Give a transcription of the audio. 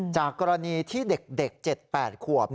จากกรณีที่เด็กเจ็ดแปดขวบ